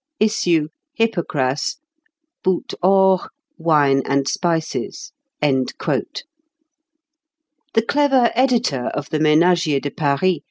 "Issue. Hypocras. "Boute Hors. Wine and spices." The clever editor of the "Ménagier de Paris," M.